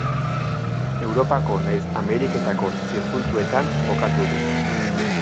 Europako nahiz Ameriketako zirkuituetan jokatu du.